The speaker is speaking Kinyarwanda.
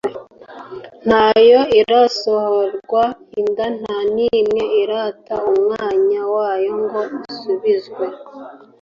nta yo irasohorerwa inda: nta n’imwe irata umwanya wayo ngo isubizwe